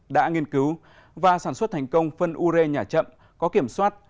đã nghiên cứu và sản xuất thành công phân u rê nhà chậm có kiểm soát